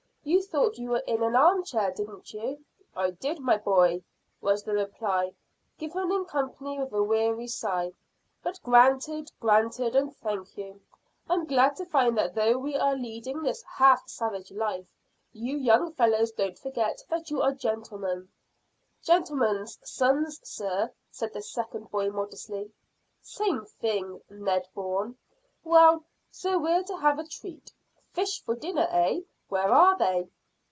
You thought you were in an arm chair, didn't you?" "I did, my boy," was the reply, given in company with a weary sigh. "But granted, granted, and thank you. I'm glad to find that though we are leading this half savage life, you young fellows don't forget that you are gentlemen." "Gentlemen's sons, sir," said the second boy modestly. "Same thing, Ned Bourne. Well, so we're to have a treat: fish for dinner, eh? Where are they?"